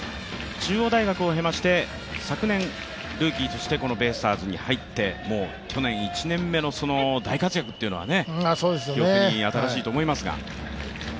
中央大学を経まして、昨年、ルーキーとしてこのベイスターズに入って去年、１年目の大活躍というのは記憶に新しいと思いますが。